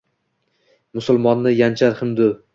Musulmonni yanchar hindu